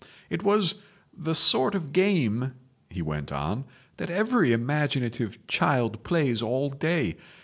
"It was the sort of game," he went on, "that every imaginative child plays all day.